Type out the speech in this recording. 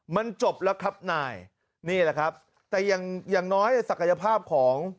มันจบแล้วครับนายนี่แหละครับแต่อย่างอย่างน้อยศักยภาพของ